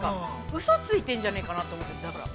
◆うそついてんじゃねえかなと思って、だから。